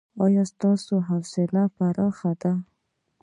ایا ستاسو حوصله پراخه ده؟